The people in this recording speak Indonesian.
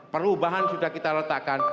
perubahan sudah kita letakkan